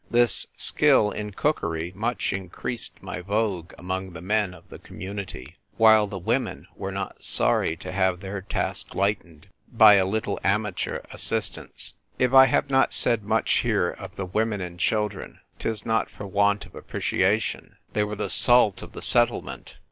This skill in cookery much increased my vogue among the men of the Community ; while the women were not sorry to have their task lightened by a little amateur assistance. If I have not said much here of the women and children 'tis not for want of appreciation : they were the salt of the settlement.